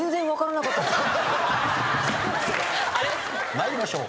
参りましょう。